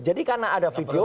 jadi karena ada video